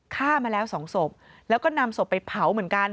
ฆ่ามาแล้วสองศพแล้วก็นำศพไปเผาเหมือนกัน